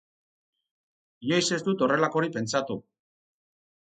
Inoiz ez dut horrelakorik pentsatu.